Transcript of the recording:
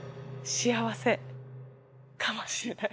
幸せかもしれない。